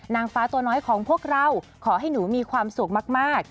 นางฟ้าตัวน้อยของพวกเราขอให้หนูมีความสุขมาก